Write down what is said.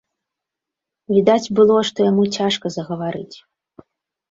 Відаць было, што яму цяжка загаварыць.